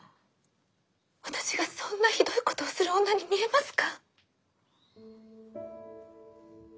私がそんなひどいことをする女に見えますか？